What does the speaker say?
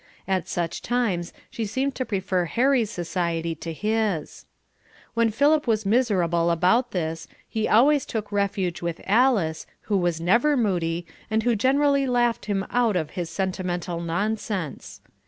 At such times she seemed to prefer Harry's society to his. When Philip was miserable about this, he always took refuge with Alice, who was never moody, and who generally laughed him out of his sentimental nonsense.